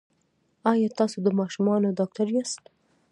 ایا تاسو د ماشومانو ډاکټر یاست؟